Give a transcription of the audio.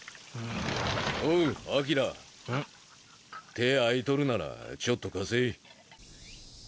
手ぇ空いとるならちょっと貸せい。